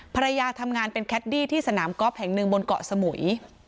ภรรยาทำงานเป็นแคดดี้ที่สนามกอล์ฟแห่งหนึ่งบนเกาะสมุย